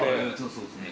そうっすね